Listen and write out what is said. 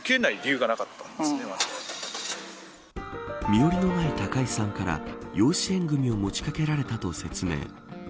身寄りのない高井さんから養子縁組を持ちかけられたと説明。